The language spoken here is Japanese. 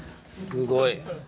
すごい。